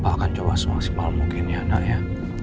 papa akan coba semaksimal mungkin ya anak ya